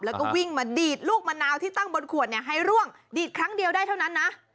แล้วก็วิ่งมาดีดลูกมะนาวที่ตั้งบนขวดให้ร่วงดีดครั้งเดียวได้เท่านั้นนะ